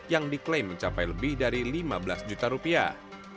yang diklaim mencapai lebih dari lima belas juta rupiah